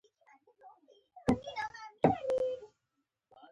کله چې وپوهیدل یو څوک د دې په روڼا کې جال اوبدي